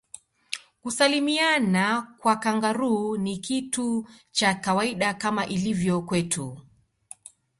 kusalimiana kwa kangaroo ni kitu cha kawaida kama ilivyo kwetu